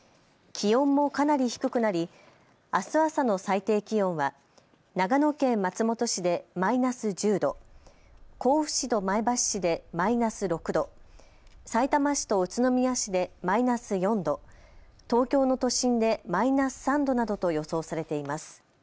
気温もかなり低くなりあす朝の最低気温は長野県松本市でマイナス１０度、甲府市と前橋市でマイナス６度、さいたま市と宇都宮市でマイナス４度、東京の都心でマイナス３度などと予想されています。